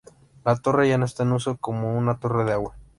La torre ya no está en uso como una torre de agua.